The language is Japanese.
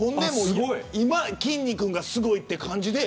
今、きんに君がすごいという感じで。